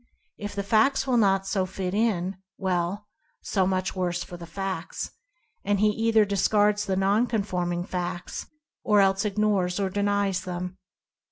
If the facts will not so fit in, well, so much the worse for the facts — and he either discards the non conforming facts, or else ignores or denies them.